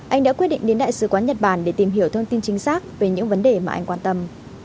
anh đã quyết định đến đại sứ quán nhật bản để tìm hiểu thông tin chính xác về những vấn đề mà anh quan tâm